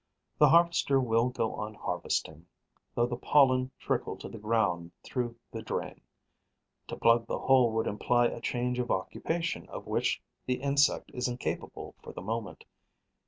The harvester will go on harvesting, though the pollen trickle to the ground through the drain. To plug the hole would imply a change of occupation of which the insect is incapable for the moment.